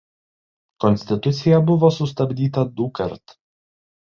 Konstitucija buvo sustabdyta dukart.